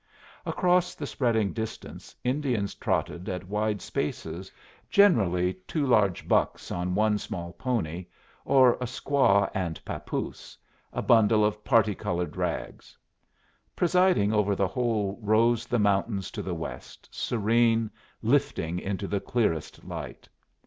Across the spreading distance Indians trotted at wide spaces, generally two large bucks on one small pony, or a squaw and pappoose a bundle of parti colored rags. Presiding over the whole rose the mountains to the west, serene, lifting into the clearest light.